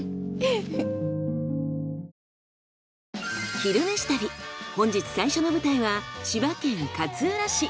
「昼めし旅」本日最初の舞台は千葉県勝浦市。